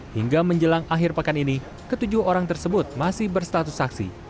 hingga menjelang akhir pekan ini ketujuh orang tersebut masih berstatus saksi